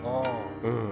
うん。